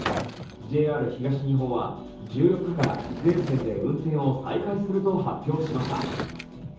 ＪＲ東日本は１４日から全線で運転を再開すると発表しました。